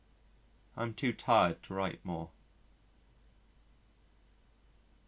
I am too tired to write more.